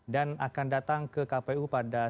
dan akan datang ke kpu pada